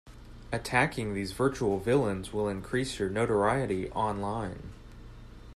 Attacking these virtual villains will increase your notoriety online.